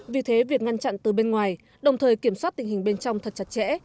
vì thế việc ngăn chặn từ bên ngoài đồng thời kiểm soát tình hình bên trong thật chặt chẽ